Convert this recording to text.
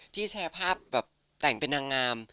แชร์ภาพแบบแต่งเป็นนางงาม